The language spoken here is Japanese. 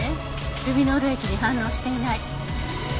ルミノール液に反応していない。